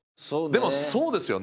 でもそうですよね。